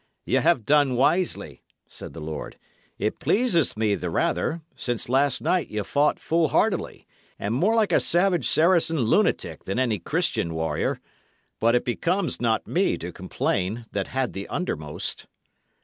"Y' 'ave done wisely," said the lord. "It pleaseth me the rather, since last night ye fought foolhardily, and more like a salvage Saracen lunatic than any Christian warrior. But it becomes not me to complain that had the undermost."